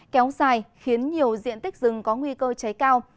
kéo dài khiến nhiều diện tích rừng có nguy cơ cháy cao